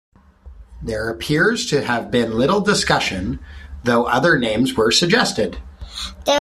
There appears to have been little discussion, though other names were suggested.